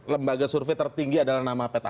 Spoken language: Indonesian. lembaga survei tertinggi adalah nama peta